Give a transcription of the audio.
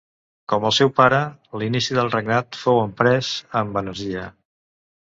Com el seu pare, l'inici del regnat fou emprès amb energia.